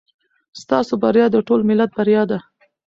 ستاسو بریا د ټول ملت بریا ده.